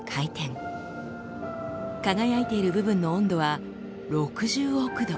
輝いている部分の温度は６０億度。